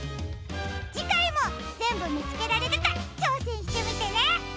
じかいもぜんぶみつけられるかちょうせんしてみてね！